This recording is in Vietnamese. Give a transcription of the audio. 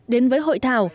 đến với hội thảo